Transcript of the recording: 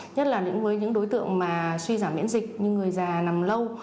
nhất là với những đối tượng mà suy giảm miễn dịch như người già nằm lâu